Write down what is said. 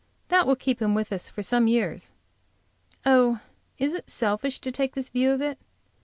That will keep him with us for some years. Oh, is it selfish to take this view of it?